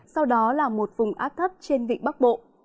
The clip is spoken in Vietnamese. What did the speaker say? sau đó là một vùng áp thấp trên vịnh bắc bộ